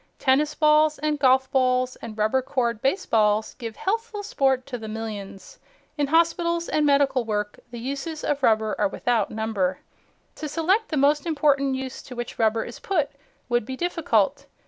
Tennis balls and golf balls and rubber cored baseballs give healthful sport to the millions. In hospitals and medical work the uses of rubber are without number. To select the most important use to which rubber is put would be difficult.